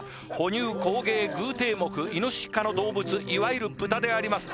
哺乳綱鯨偶蹄目イノシシ科の動物いわゆる豚であります